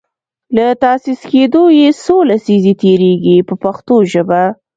له تاسیس کیدو یې څو لسیزې تیریږي په پښتو ژبه.